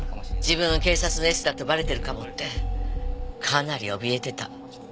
自分が警察のエスだとバレてるかもってかなりおびえてた。